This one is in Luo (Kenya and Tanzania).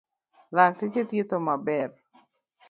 Lakteche thietho maber.